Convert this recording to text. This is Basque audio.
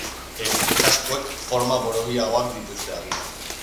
Ez, kaskoek forma borobilagoak dituzte, agian.